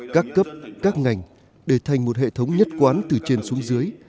các cấp các ngành để thành một hệ thống nhất quán từ trên xuống dưới